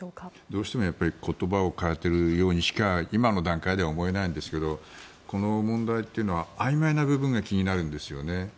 どうしても言葉を変えているようにしか今の段階では思えないんですけどこの問題というのはあいまいな部分が気になるんですね。